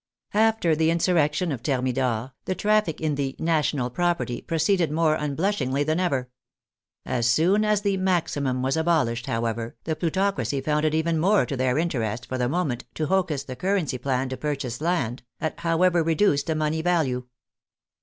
After the insurrection of Thermidor, the traffic in the " national property " proceeded more unblushingly than ever. As soon as the maximum was abolished, however, the plutocracy found it even more to their interest for the moment to hocus the currency than to purchase land, at however reduced a money value.